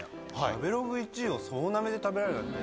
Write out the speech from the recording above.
食べログ１位を総なめで食べられるなんて。